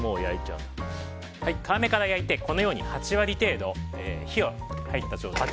皮目から焼いて、８割程度火が入った状態です。